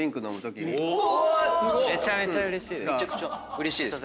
うれしいです。